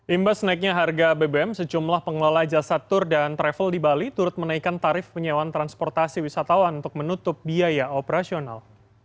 imbas naiknya harga bbm sejumlah pengelola jasa tur dan travel di bali turut menaikkan tarif penyewaan transportasi wisatawan untuk menutup biaya operasional